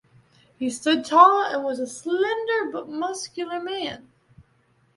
He stood tall and was a slender but muscular man.